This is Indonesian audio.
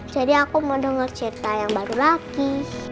jadi aku mau denger cerita yang baru lagi